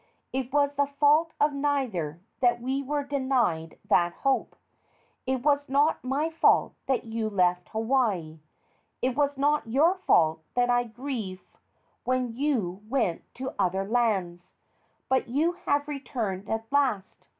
It was the fault of neither that we were denied that hope. It was not my fault that you left Hawaii. It was not your fault that I grieved when you went to other lands. But you have returned at last.